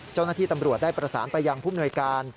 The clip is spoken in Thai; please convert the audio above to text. เจ้าหน้าที่ตำรวจได้ประสานไปยังผู้มนวยการ